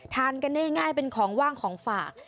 ทานกันง่ายเป็นของว่างของฝาก